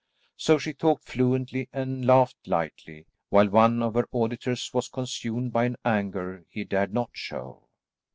So she talked fluently and laughed lightly, while one of her auditors was consumed by an anger he dared not show.